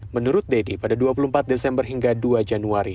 menurut deddy pada dua puluh empat desember hingga dua januari